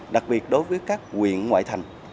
đặc biệt đối với các quyền ngoại thành